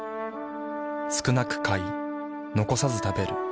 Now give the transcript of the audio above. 少なく買い残さず食べる。